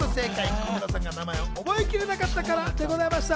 小室さんが名前を覚えきれなかったからでした。